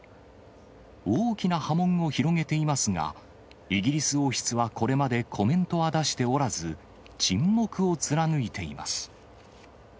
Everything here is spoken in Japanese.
大きな波紋を広げていますが、イギリス王室はこれまでコメントは出しておらず、沈黙を貫いています。